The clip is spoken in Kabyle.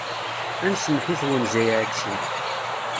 Ad nsemmeḥ i twenza iɛeksen.